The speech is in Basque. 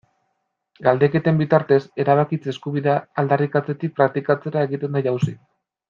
Galdeketen bitartez, erabakitze eskubidea aldarrikatzetik praktikatzera egiten da jauzi.